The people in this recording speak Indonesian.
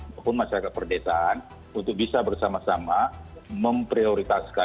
maupun masyarakat perdesaan untuk bisa bersama sama memprioritaskan